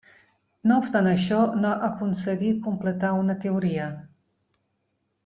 No obstant això, no aconseguí completar una teoria.